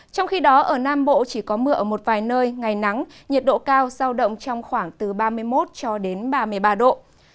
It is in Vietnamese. trong khi đó ở nam bộ chỉ có mưa ở một vài nơi ngày nắng nhiệt độ cao giao động trong khoảng từ ba mươi một cho đến ba mươi ba độ